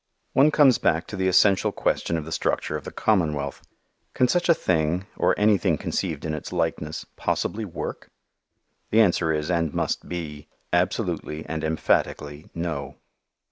One comes back to the essential question of the structure of the commonwealth. Can such a thing, or anything conceived in its likeness, possibly work? The answer is, and must be, absolutely and emphatically no.